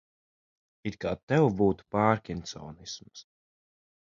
It kā tev būtu pārkinsonisms.